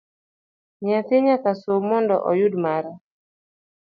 Nyathi nyaka som mondo oyud mare